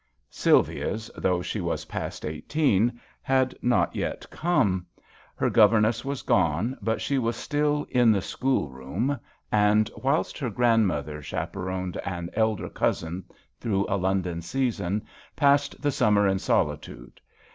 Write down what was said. Sylvia's, though she was past eighteen, had not come yet. Her gover THE VIOLIN OBBLIGATO. 63 ness was gone, but she was still " in the schoolroom," and, whilst her grandmother chaperoned an elder cousin through a London season, passed the summer in solitude.